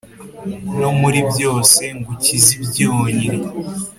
no muri byose ngukize ibyonnyi.